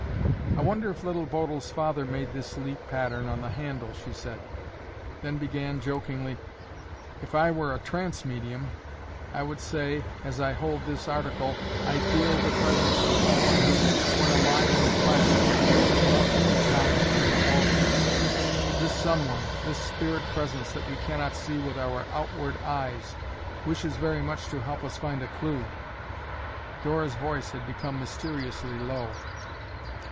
"I wonder if Little Bodil's father made this leaf pattern on the handle," she said, then began, jokingly, "If I were a trance medium, I would say, as I hold this article, I feel the presence of someone who, when alive in the flesh, dearly loved the child, Little Bodil. This someone, this spirit presence that we cannot see with our outward eyes, wishes very much to help us find a clue." Dora's voice had become mysteriously low.